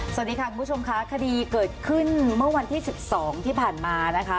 สวัสดีค่ะคุณผู้ชมค่ะคดีเกิดขึ้นเมื่อวันที่๑๒ที่ผ่านมานะคะ